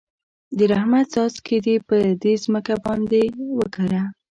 د رحمت څاڅکي دې په دې ځمکه باندې وکره.